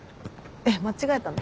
えっ間違えたの？